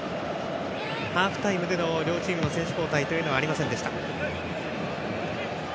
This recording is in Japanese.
ハーフタイムでの両チームの選手交代はありませんでした。